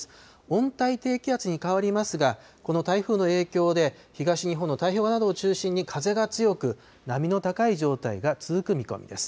温帯低気圧に変わりますが、この台風の影響で、東日本の太平洋側などを中心に風が強く、波の高い状態が続く見込みです。